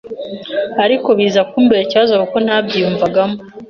ariko biza kumbera ikibazo kuko ntabyiyumvagamo,